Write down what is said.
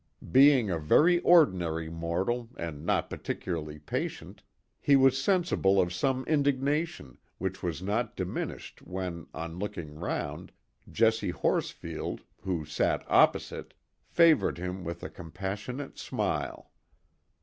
Being a very ordinary mortal and not particularly patient, he was sensible of some indignation, which was not diminished when, on looking round, Jessie Horsfield, who sat opposite, favoured him with a compassionate smile.